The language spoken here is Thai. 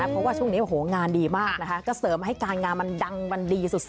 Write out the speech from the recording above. เพราะว่าช่วงนี้โอ้โหงานดีมากนะคะก็เสริมให้การงานมันดังมันดีสุด